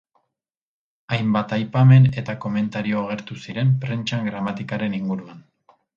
Hainbat aipamen eta komentario agertu ziren prentsan gramatikaren inguruan.